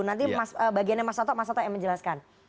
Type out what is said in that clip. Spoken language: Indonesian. nanti bagiannya mas soto yang menjelaskan